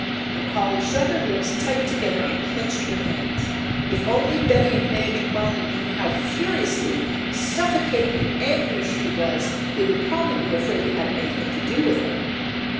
And Polly shut her lips tight together and clenched her hands. If only Betty and Meg and Mollie knew how furiously, suffocatingly angry she was they would probably be afraid to have anything to do with her.